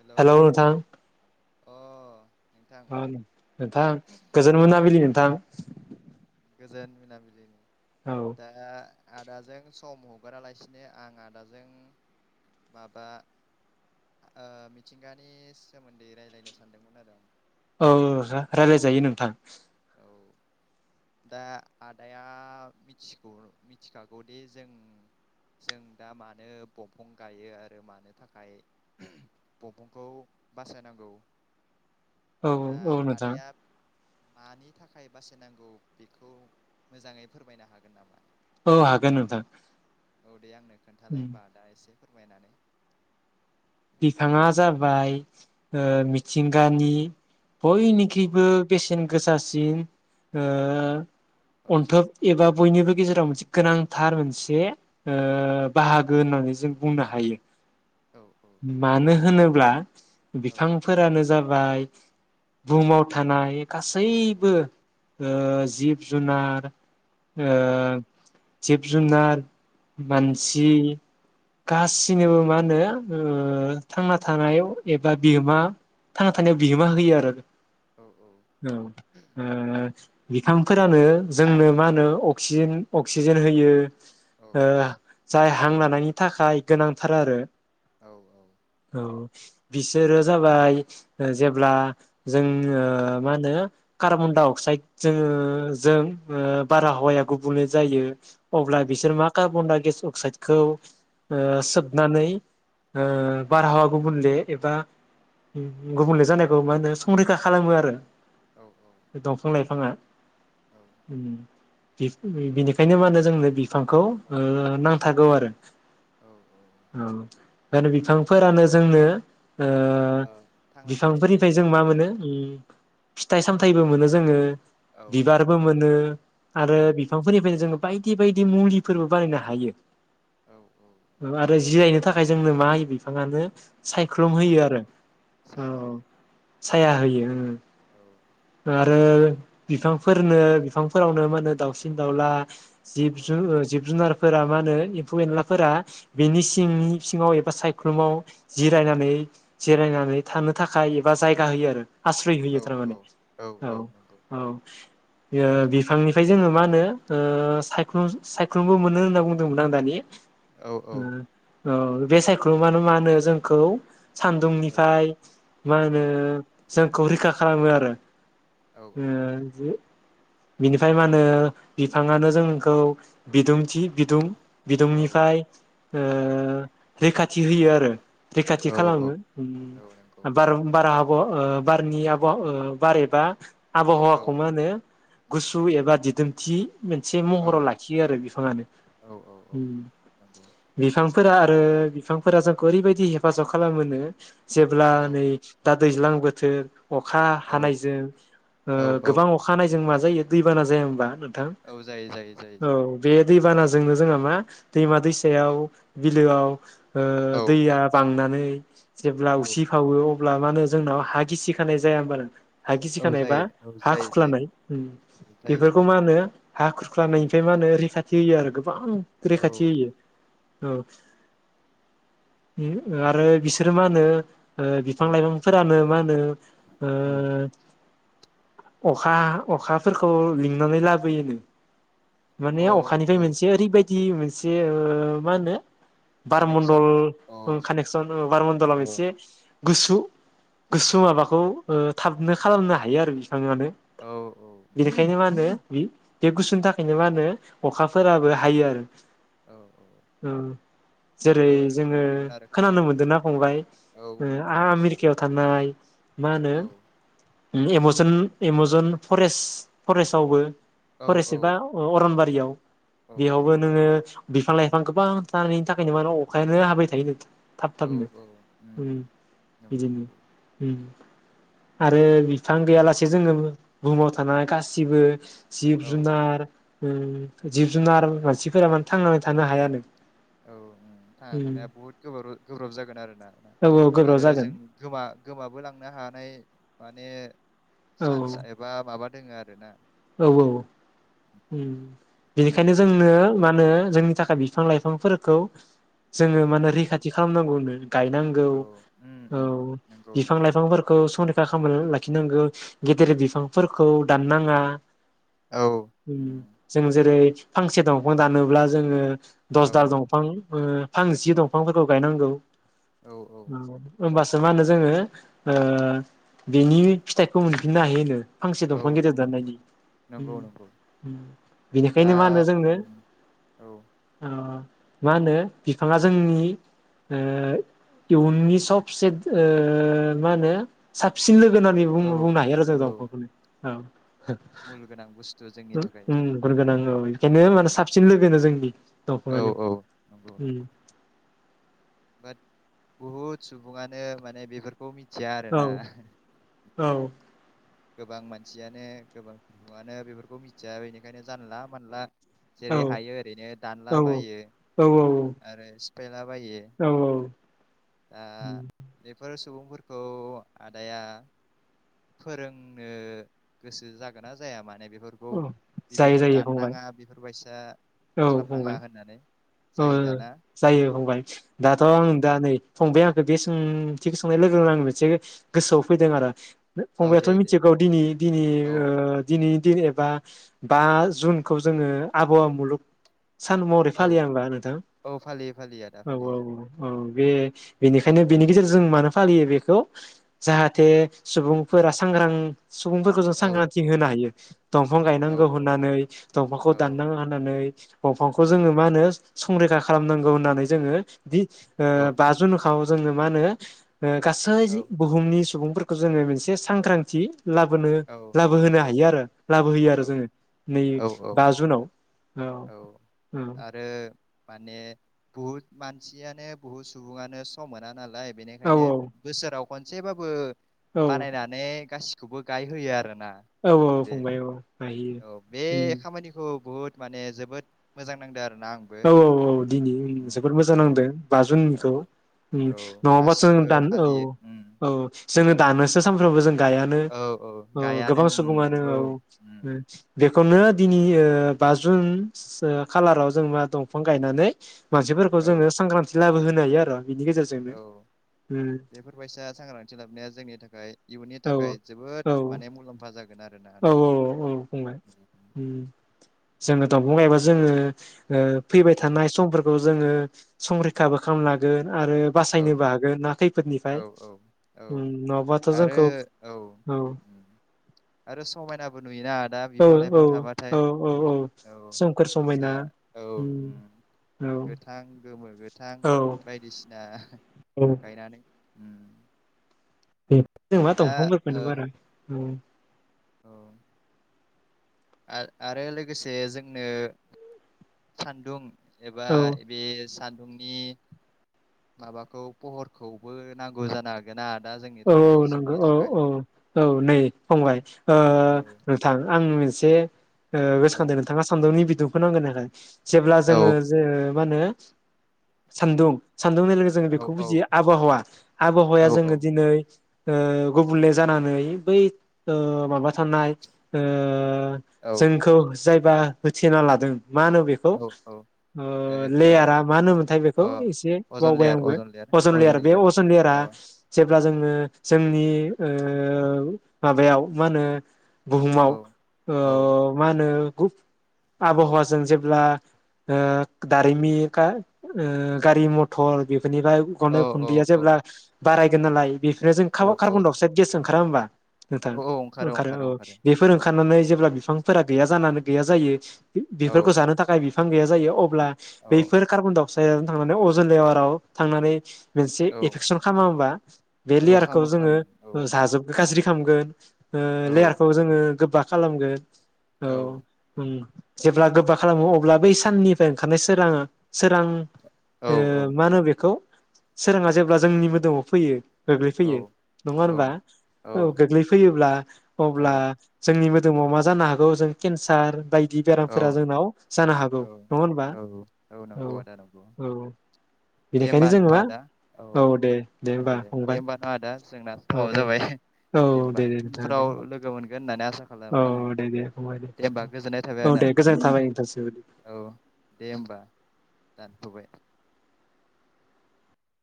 Hello hello नोथां? अ नोंथां मा होनो नोंथां गोजोन मोनाबिलि। [inaudible] नोंथां। गोजोन मोनाबिलि औ [inaudible] दा [inaudible] आदाजों सम हगारालासिनो आं आदाजों माबा ओ मिथिंगानि सोमोन्दै रायज्लायनो सानदोंमोन आरो आं [inaudible] औ जा रायलायजायो नोंथां। औ दा आदाया मिथिगौ मिथिखागौदि जों जों दा मानो बंफां गायो आरो मानो थाखाय बंफांखौ बासायनांगौ [inaudible] औ दा औ नोंथां। आदाया मानि थाखाय बासायनांगौ बेखौ मोजाङै फोरमायनो हागोन नामा? [inaudible] औ हागोन नोंथां। औ दे आंनो [inaudible] खोन्थालाय होनबा आदा एसे [inaudible] फोरमायनानै। [inaudible] बिफाङा जाबाय ओ मिथिंगानि औ बयनिख्रुयबो बेसेन गोसासिन ओ अन्थोब एबा बयनिबो गेजेराव मोनसे गोनांथार मोनसे ओ बाहागो होननानै जों बुंनो हायो। मानो होनोब्ला बिफांफोरानो जाबाय बुहुमाव थानाय गासैबो ओ जिब-जुनार ओ जिब जुनार [inaudible] मानसि गासिनोबो मा होनो ओथांना थानायाव एबा बिहोमा थांना थानायाव बिहोमा होयो आरो। ओ बिफांफोरानो जोंनो मा होनो अक्सिजेन अक्सिजेन होयो। ओ जाय हां लानायनि थाखाय गोनांथार आरो। औ बिसोरो जाबाय जेब्ला जोंओ मा होनो खारबनदाव अक्साइड जों जों बारहावाया गुबुंले जायो अब्ला बिसोर मा कारबनडाय गेस अक्साइडखौ ओ सोबनानै ओ बार हावाखौ गुबुंजे एबा गुबुंले जानायखौ मा होनो संरैखा खालामो आरो औ दंफां लाइफाङा उम बिनिखायनो मा होनो जोंनो बिफांखौ ओ नांथारागौ आरो औ औ औ बेंखायनो बिफांफोरानो जोंनो ओ ओ थांना थानायनि बिफांफोरनिफ्राय जों मा औ मोनो ओम फिथ - सामथायबो मोनो जोङो औ बिबारबो मोनो औ आरो बिफांफोरनिफ्रायनो जोङो बायदि बायदि मुलिफोरबो बानायनो हायो औ औ आरो जिरायनो थाख जोंनो मा होयो बिफाङानो सायख्लुम साया होयो आरो औ औ साया औ होयो साया होयो ओ औ ओ आरो बिफांफोरनो बिफांफोरावनो मा होनो दाउसिन दाउला जिब औ जु जिब जुनार फोर मा होनो एम्फौ एनलाफोरा बेनि औ सिंनि एबा सायख्लुमाव जिरायनानै जिरायनानै थानो थाखाय एबा जायगा होयो आरो आस्रय औ होयो थारमाने औ औ ओ बिफांनिफ्राय जोङो मा होनो ओ सायख्लुम सायख्लुमबो मोनो होनना बुंदोंमोन आं दानि औ ओ औ औ बे सायख्लुम मानो मा होनो जोंखौ औ सान्दुंनिफ्राय मा औ होनो जोंखौ रैखा खालामो आरो। ओ जि बिनिफाय मा होनो बिफाङानो जोंखौ बिदुंथि बिदुं बिदुंनिफाय ओ रैखा थि होयो आरो औ रैखाथि खालामो औ नंगौ उम बार बारा आब ओ बारनि आब ओ बार एबा आबहावाखौ मा होनो गुसु एबा दिद दोमथि मोनसे औ महराव लाखियो आरो बिफाङानो औ औ औ उम नंगौ बिफां फोरा आरो बिफांफोरा जोंखौ ओरैबायदि हेफाजाब खालामोनो जेब्ला औ नै दा दैज्लां बोथोर अखा औ हानायजों ओ औ औ गोबां अखा हानाय जों मा जायो दैबाना जाया हामबा नों औ जायो जायो जायो जयो। दैबानाजोंनो जोंहा मा दैमा दैसायाव बिलोआव ओ औ दैया बांनानै [inaudible] जेब्ला औ उसि फावो अब्ला मा होनो जोंनाव हा गिसि खानाय जाया होमब्ला नोंथां? हा गिसि औ खानाय बा जायो औ हा जायो जायो खुरख्लानाय उम औ जायो बेफोरखौ मा होनो हा उम खुरख्लानायनिफ्राय मा होनो रैखा थि होयो आरो गों बां औ रैखाथि होयो। औ उम आरो बिसोरो मा होनो ओ औ बिफां लाइफांफोरानो मा होनो ओ अखा अखाफोरखौ लिंनानै लाबोयोनो। माने औ औ अखानिफ्राय मोनसे औ ओरैबायदि मोनसे एसे ओ मा होनो कानेक्सन बारमण्डल औ ओ कानेक्सन ओ बारमण्डलाव औ एसे गुसु गुसु माबाखौ ओ थाबनो खालामनो हायो आरो बे थाङोआनो औ औ उम बेनिखायनो मा होनो बे बे गुसुनि थाखायनो मा होनो अखाफोराबो हायो आरो। औ औ [inaudible] ओ जेरै आंबो जोङो मोनदोंमोन आरो खोनानो उम मोनदोंना फंबाय औ ओ मोनदोंमोन मोनदों आ-आमेरिकायाव थानाय मा होनो औ एम जन फरेस्ट फरेस्टावबो औ फरेस्ट बा अरन बा रियाव औ बेयावबो नोङो बिफां-लाइ फां गोबांथारनि थाखायनो माने अखायानो हाबाय थायो नो। थाब औ थाबनो औ उम ओम नंगौ बिदिनो नंगौ ओम। आरो बिफां गैयालासे जोङो बुहुमाव थानाय गासिबो। औ जिब-जुनार ओम जिब-जुनार, मानसिफोरा माने थांनानै थानो हाया। आरो [inaudible] औ ओम थांना थानाया बहुद गोब्रा-गोब्राब जागोन आरो ना औ गोब्राब आरो जागोन जों गोमा गोमाबो लांनो हानाय। [inaudible] माने औ सानस एबा माबा [inaudible] दोङो आरो ना। औ औ ओम ओंखायनो बेनिखायनो जोंनो नांगौ जों मा होनो जोंनि थाखाय बिफां-लाइ बिफांफोरखौ जोङो माने औ रैखाथि खालामनांगौनो। गायनांगौ औ उम औ। उम नंगौ नंगौ बिफां-लाइफांफोरखौ स फा खालामनानै लाखिनांगौ गेदेर बिफांफोरखौ दाननाङा। औ ओम उम जों जेरै [inaudible] फांसे दंफां दानोब्ला जोङो औ दस दाल दंफां फां जि दंफांफोरखौ गायनांगौ। औ ओमबासो मा होनो जोङो ओ बेनि फिथाइखौ मोनफिननो हायो होनो। फांसे औ दंफां गेदेर उम दाननायनि। नंगौ नंगौ दा बेनिखायनो मा होनो उम जोंनो औ मा होनो बिफाङा जोंनि ओ इउननि सबसे ओ मा होनो साबसिन लो गो होन्नानै औ बुंङो बुंनो हायो आरो जों औ दंफांखौ नों। औ। मुल गोनां बुस्थु जोंनि उ थाखाय उम गुनगोनां अ औ बेखायनो औ माने साबसिन लोगोनो जोंनि औ दंफांङानो औ नंगौ नंगौ बाट बुहुद सुबुङानो माने बेफोरखौ मिथ या आरोना? औ औ गोबां मानसियानो गोबां सुबुआनो बेफोरखौ मिथिया बेनिखायनो जानला मानला जेरै हायो ओरैनो औ दानला बायो औ आरो। [inaudible] बायो औ दा बेफोर सुबुंफोरखौ आदाया फोरोंनो गोसो जागोना जाया माने बे बेफोरखौ औ जायो बिबायदि जायो फंबाय दाननाङा बेफोरबाय [inaudible] औ खालामनाङा फंबाय होननानै औ जायो दाना जायो फंबाय दाथ' आं औ दा नै फंबाया आंखौ बे सोंथिखौ सोंनाय लोगो लोगोन आं मोनसे गोसोआव फैदों आरो। औ फंबाथ' दे दे मिथिगौ दिनै दिनै औ ओ दिनै दिन एबा बा जुनखौ जोङो आबहावा मुलुग सान महरै औ फालिया होमबा? नोंथां औ फालियो फालियो आदा औ औ फालियो। औ औ बे बेनिखायनो बेनि गेजेरजों जों मानो फालियो बेखौ जाहाथे सुबुंफोरा सांग्रां सुबुंफोरखौ जों औ सांग्रांथि औ होनो हायो दंफां औ गायनांगौ होननानै दंफांखौ औ दाननांङा होननानै दंफांखौ औ जोङो मा होनो। संरैखा खालामनांगौ होननानै जोङो बिदि ओ औ बा जुन जोङो मा होनो गासै औ बुहुमनि सुबुंफोरखौ जोङो मोनसे सांग्रांथि लाबोनो औ औ लाबोहोनो हायो आरो लाबोहोयो औ आरो जोङो नै औ बा औ जुनाव औ औ आरो [inaudible] माने बहुत मानसियानो बुहुद सुबुङानो सम मोना नालाय। औ बेनिखायनो बोसोराव खनसेबाबो औ बानायनानै गास खौबो गायहोयो आरो। ना औ बे फंबाय औ हायो औ बे उम खामानिखौ बुहुद माने जोबोद मोजां नांदों आरोना आंबो औ औ औ दिनै उम जोबोद मोजां औ नांदों बा जुननिखौ औ औ नङाबासो गासिबो दान औ फालियो उम औ जोङो दानोसो सानफ्रोमबो जों गायानो औ औ गायानो गोबां उम सुबंआनो नंगौ औ उम बे खौनो दिनै ओ बा जुन ओ खालाराव जों मा दंफां गायनानै मानसिफोरखौ औ जोङो सांग्रांथि लाबोहोनो [unintelligible] औ उम बेफोरबायसा सांग्रांथि लाबोनाया जोंनि थाखाय इयुननि औ थाखाय जोबोद माने मुलाम्फा जागोन आरो औ औ औ औ बुंंबाय उम जों दंफां गायबा जोङो ओ फैबाय औ थानाय समफोरखौ जोङो संरैखाबो खालामनो हागोन आरो बासायनोबो औ हागोन ना औ खैफोदनिफ्राय औ नङाबाथ' आरो जोंखौ औ आरो समायनाबो नुयोना दा औ बिफां औ लाइफां थाबाथाय औ औ औ औ सोमखोर समायना जा औ उम औ गोथां गोमो गोथां औ बायदिसि दा औ गायनानानै उम [unintelligible] [unintelligible] दंफां फोरखौनो बारा औ आरो लोगोसे जोंनो सान्दुं एबा औ बे साद नि माबाखौ पुहरखौबो नांगौ जानो हागोन ना दा जोंनि औ थाखाय नंगौ जिउनि औ थाखाय औ औ नै फंबाय औ नोंथां आं मोन से ओ गोसो औ खांदों नोंथाङा सानदुंनि बिदुं [unintelligible] जेब्ला जोङो औ जे मा होनो सान्दुं सान्दुं हेननाय लोगो लोगो जोङो औ बेखौ औ बुजियो आबहावा औ आबहावाया जोनो गुबुंले जानानै बै माबा थानाय औ जोंखौ जायबा होथेना लादों मा होनो बेखौ औ ओ औ लेयारा मा होन मोनथाय बेखौ ओ एसे बावबाय आंबो अजन लेयार बे अजन लेयारा जेब्ला जोङो जोंनि माबायाव मा होनो बुहुमाव औ औ मा होनो आबहावाजों जेब्ला दारिमिन गारि मथर बे इनिफ्रा औ अखारनाय औ उखुन्दैया जेब्ला औ [inaudible] गोननालाय बेफोरनो जों औ औ कार्बणअक्साइड गेस ओं ओंखारा होमबा? नोंथां ओंखारो औ बेफोर ओंखारनानै जेब्ला बिफांफोरा गैया जानानै गैया जायो। औ बेफोरखौ जानो थाखाय बिफां गैया जायो अ अब्ला औ बैफोर कार्बनडाइ गसजों थांनानै अजन लेयाराव थांनानै मोनसे औ एफेकसन खालामा ओमबा बे औ लेयारखौ खामो जोङो खामो औ जाजोबगोन गाज्रि खालामगोन। औ लेयारखौ जोङो गोबा खालामगोन। औ। जेब्ला गोबा खालामो अब्ला बै साननिफ्राय ओंखारनाय सोराङा सोरां औ मा होनो बेखौ सोराङा जेब्ला जोंनि मोदोमाव फैयो। फैयो। गोग्लैफैयो नङा होनबा औ गोग्लैफैयोब्ला अब्ला औ जोंनि मोदोमाव मा जानो हागौ जों केन्सार बायदि दि औ बेरामफोरा जोंनाव जानो हागौ औ नङा होनबा औ औ नंगौ आदा नंगौ औ दे होमबा बेनिखायनो जोङो न' आदा औ दे। होमबा नंगौ दे दे फंबाय होमबा नङा आदा जोंना औ समाव दे जाबाय दे औ दे होमबा दे नोंथां दे उनफ्राव लोगो मोनगोन। [inaudible] औ आङो दे दे फंबाय दे। होमबा गोजोननाय थाबाय औ आदा दे गोजोननाय थाबाय नोंथांनिसिम। जाथबाय।